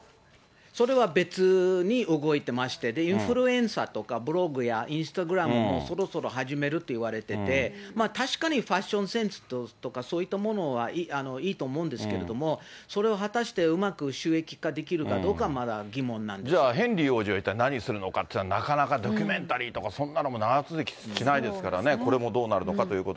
それは別に動いてまして、インフルエンサーとか、ブログやインスタグラムもそろそろ始めるといわれてまして、確かにファッションセンスとか、そういったものはいいと思うんですけれども、それを果たしてうまく収益化できるかどうかは、まだ疑問なんですじゃあ、ヘンリー王子は一体何するのかというのは、なかなかドキュメンタリーとか、そんなのも長続きしないですからね、これもどうなるのかというこ